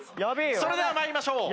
それでは参りましょう。